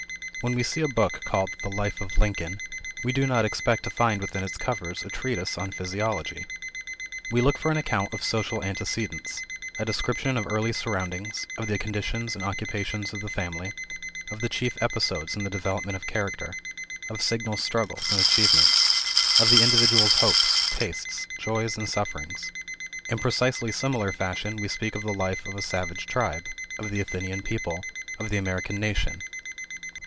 When we see a book called the Life of Lincoln we do not expect to find within its covers a treatise on physiology. We look for an account of social antecedents; a description of early surroundings, of the conditions and occupation of the family; of the chief episodes in the development of character; of signal struggles and achievements; of the individual's hopes, tastes, joys and sufferings. In precisely similar fashion we speak of the life of a savage tribe, of the Athenian people, of the American nation.